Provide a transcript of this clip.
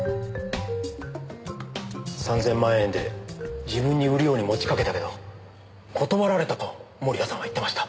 ３０００万円で自分に売るように持ちかけたけど断られたと盛谷さんは言ってました。